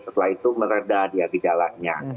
setelah itu meredah dia gejalanya